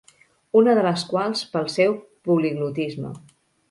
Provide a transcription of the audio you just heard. Una de les quals pel seu poliglotisme.